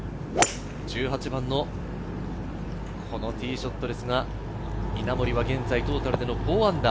１８番の、このティーショットですが、稲森は現在トータルでの−４。